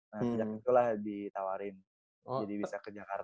nah sejak itulah ditawarin jadi bisa ke jakarta